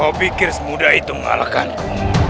kau pikir semudah itu mengalahkanku